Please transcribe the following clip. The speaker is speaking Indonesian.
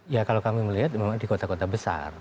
ya kalau kami melihat memang di kota kota besar